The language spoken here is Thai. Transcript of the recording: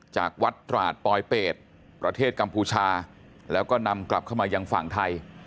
จากวัดตราดปลอยเป็ดประเทศกัมพูชาแล้วก็นำกลับเข้ามายังฝั่งไทย